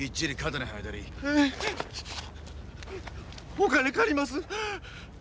お金借ります！